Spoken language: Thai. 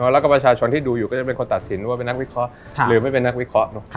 แล้วก็ประชาชนที่ดูอยู่ก็จะเป็นคนตัดสินว่าเป็นนักวิเคราะห์หรือไม่เป็นนักวิเคราะห์